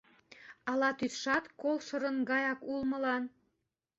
Ала тӱсшат колшырын гаяк улмылан?